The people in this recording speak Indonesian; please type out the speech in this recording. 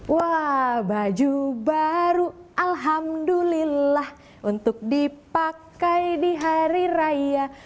wah baju baru alhamdulillah untuk dipakai di hari raya